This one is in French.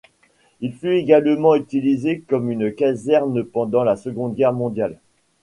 Il fut également utilisé comme une caserne pendant la Seconde Guerre mondiale.